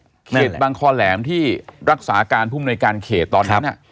เขตบางคอแหลมที่รักษาการผู้มนวยการเขตตอนนั้น